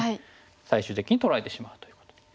最終的に取られてしまうという。